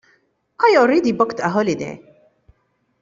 I already booked a holiday.